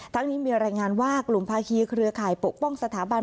นี้มีรายงานว่ากลุ่มภาคีเครือข่ายปกป้องสถาบัน